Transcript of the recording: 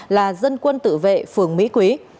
là dân quân tự vệ phường mỹ quý